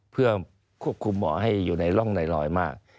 เพื่อควบคุมหมอให้อยู่ในร่องในรอยมาก